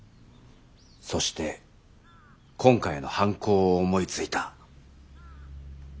そして今回の犯行を思いついた。